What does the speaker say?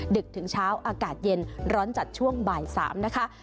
ดึกถึงเช้าอากาศเย็นร้อนจัดช่วงบ่าย๓นะคะ